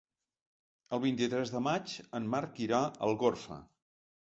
El vint-i-tres de maig en Marc irà a Algorfa.